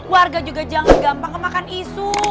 warga juga jangan gampang kemakan isu